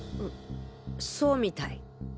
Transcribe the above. そうみたい。